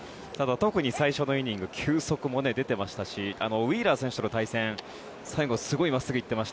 特に最初のイニング球速も出ていましたしウィーラー選手との対戦最後、すごい真っすぐ行ってました。